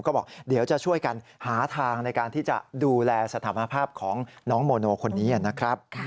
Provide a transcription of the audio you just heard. ก็บอกเดี๋ยวจะช่วยกันหาทางในการที่จะดูแลสถานภาพของน้องโมโนคนนี้นะครับ